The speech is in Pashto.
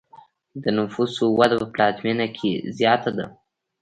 د نفوسو وده په پلازمینه کې زیاته ده.